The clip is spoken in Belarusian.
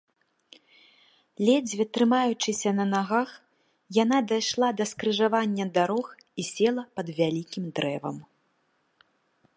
Ледзьве трымаючыся на нагах, яна дайшла да скрыжавання дарог і села пад вялікім дрэвам.